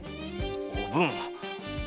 おぶん。